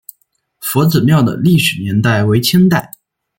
佛子庙的历史年代为清代。